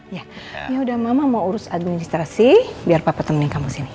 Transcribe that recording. ya yaudah mama mau urus administrasi biar papa temenin kamu sini ya